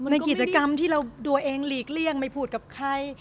ในกิจกรรมที่เราตัวเองหลีกเลี่ยงไม่พูดกับใคร